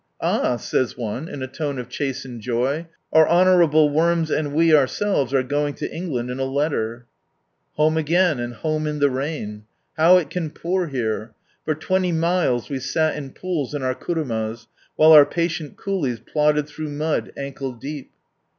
"Ah!" says one i tone of chastened joy, "our hotwur abU worms and we ourselvts are going to England in a Utter til" Home again, and home in the raia How it can pour here ! For twenty miles we sat in pools in our kunimas, while our patient coolies plodded through mud, ankle deep.